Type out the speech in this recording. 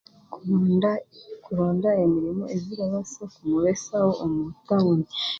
Kuronda, nikuronda emirimo ezirabaasa kumubeesaho omu tahuni.